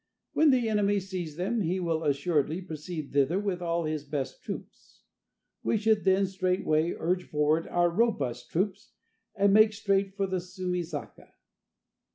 When the enemy sees them he will assuredly proceed thither with all his best troops. We should then straightway urge forward our robust troops, and make straight for Sumi Zaka.